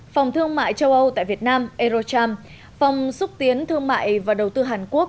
phòng thương mại châu âu tại việt nam eurocharm phòng xúc tiến thương mại và đầu tư hàn quốc